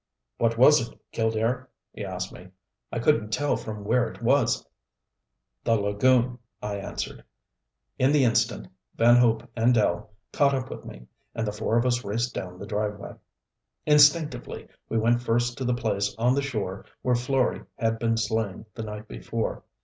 "What was it, Killdare?" he asked me. "I couldn't tell from where it was " "The lagoon!" I answered. In the instant Van Hope and Dell caught up with me, and the four of us raced down the driveway. Instinctively we went first to the place on the shore where Florey had been slain the night before.